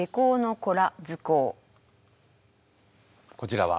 こちらは？